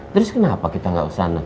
terus kenapa kita gak usah